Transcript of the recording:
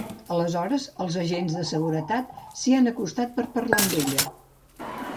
Aleshores, els agents de seguretat s’hi han acostat per parlar amb ella.